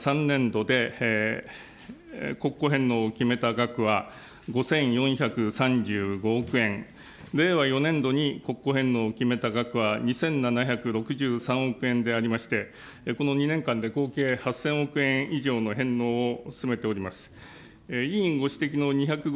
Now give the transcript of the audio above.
基金の点検においては、直近では令和３年度で、国庫返納を決めた額は５４３５億円、令和４年度に国庫返納を決めた額は２７６３億円でありまして、この２年間で合計８０００億円以上の返納を進めております。